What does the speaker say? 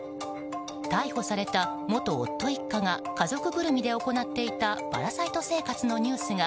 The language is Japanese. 逮捕された元夫一家が家族ぐるみで行っていたパラサイト生活のニュースが